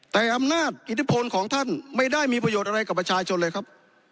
แต่อำนาจอิทธิพลของท่านไม่ได้มีประโยชน์อะไรกับประชาชนเลยครับ